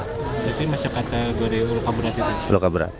tapi masih kata goreng luka berat gitu